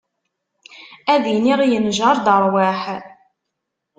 Ad iniɣ yenjer-d rwaḥ.